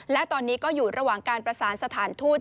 และตอนนี้ก็อยู่ระหว่างการประสานสถานทูต